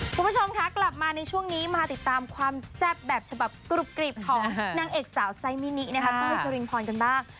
คุณผู้ชมคะกลับมาในช่วงนี้มาติดตามความแซ่บแบบฉบับกรุบกริบของนางเอกสาวไซมินินะคะตุ้ยจรินพรกันบ้าง